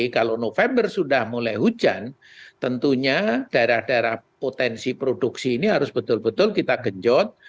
kalau november sudah mulai hujan tentunya daerah daerah potensi produksi ini harus betul betul kita genjot